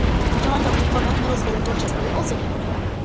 John W. McCormack Middle School in Dorchester was also named for him.